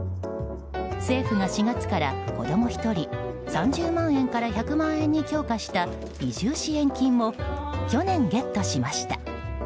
政府が４月から子供１人３０万円から１００万円に強化した移住支援金も去年ゲットしました。